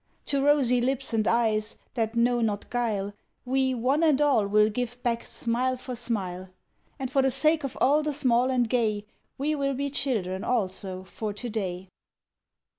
To rosy lips and eyes, that know not guile, We one and all will give back smile for smile; And for the sake of all the small and gay We will be children also for to day.